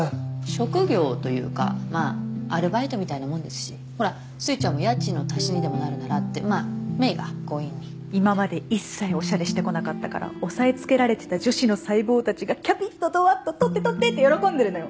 職業というかまあアルバイトみたいなもんですしほらすいちゃんも家賃の足しにでもなるならってまあ芽衣が強引に今まで一切オシャレしてこなかったから押さえつけられてた女子の細胞たちがキャピッとドワッと撮って撮ってって喜んでるのよ